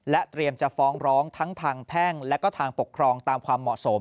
เตรียมจะฟ้องร้องทั้งทางแพ่งและก็ทางปกครองตามความเหมาะสม